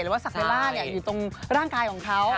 ว่าสักเวลาอยู่ตรงร่างกายของเขา